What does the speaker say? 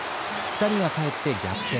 ２人が帰って逆転。